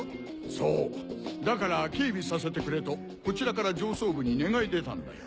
そうだから警備させてくれとこちらから上層部に願い出たんだよ。